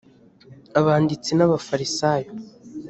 abanditsi n’abafarisayo